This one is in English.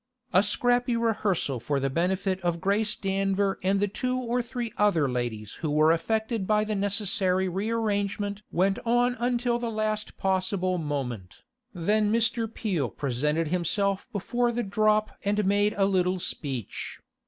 A scrappy rehearsal for the benefit of Grace Danver and the two or three other ladies who were affected by the necessary rearrangement went on until the last possible moment, then Mr. Peel presented himself before the drop and made a little speech.